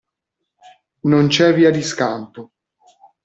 Non c'è via di scampo.